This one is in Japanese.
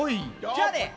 じゃあね